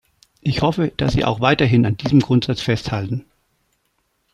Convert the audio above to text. Ich hoffe, dass Sie auch weiterhin an diesem Grundsatz festhalten.